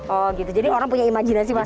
oh gitu jadi orang punya imajinasi mas